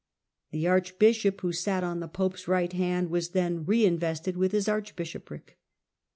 The archbishop, who sat on the pope's right hand, was then re invested with his archbishopric.